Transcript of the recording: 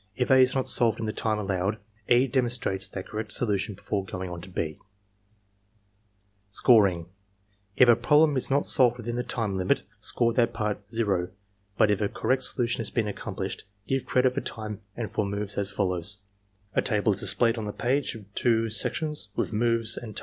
If (a) is not solved in the time allowed, E. demon strates that correct solution before going on to (6). Scoring. — If a problem is not solved within the time limit, score that part 0; but if a correct solution has been accomplished, give credit for time and for moves as follows: MOVES (a) and TIME (a) iV) (c) Credit (h) (c) Credit ••••••• 8....